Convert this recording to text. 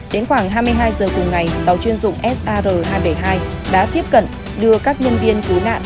đến khoảng hai mươi hai giờ cùng ngày tàu chuyên dụng sr hai trăm bảy mươi hai đã tiếp cận đưa các nhân viên cứu nạn